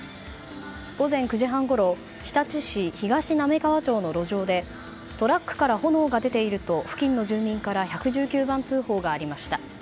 午前９時半ごろ日立市東滑川町の路上でトラックから炎が出ていると付近の住民から１１９番通報がありました。